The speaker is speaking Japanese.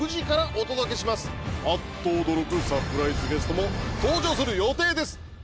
あっと驚くサプライズゲストも登場する予定です。